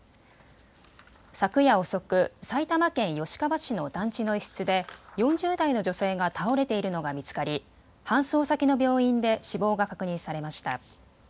昨夜遅く、埼玉県吉川市の団地の一室で４０代の女性が倒れているのが見つかり搬送先の病院で死亡が確認されました。